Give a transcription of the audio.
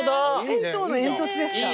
銭湯の煙突ですか？